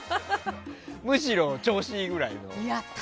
むしろ調子がいいぐらいの。